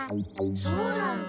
そうなんだ。